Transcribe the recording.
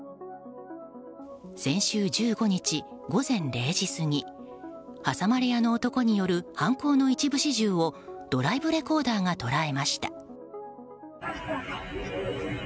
先週１５日、午前０時過ぎ挟まれ屋の男による犯行の一部始終をドライブレコーダーが捉えました。